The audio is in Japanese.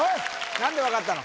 何で分かったの？